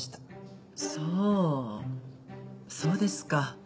そうそうですか。